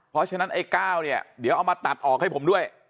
เพราะฉะนั้นไอ้๙เนี่ยเดี๋ยวเอามาตัดออกให้ผมด้วย